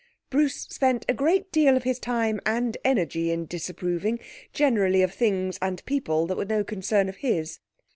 Bruce spent a great deal of his time and energy in disapproving; generally of things and people that were no concern of his.